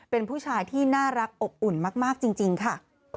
เป็นผู้ชายที่น่ารักอบอุ่นมากจริงค่ะ